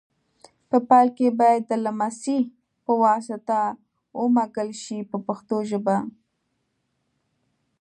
په پیل کې باید د لمڅي په واسطه ومږل شي په پښتو ژبه.